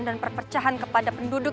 dan perpercahan kepada penduduk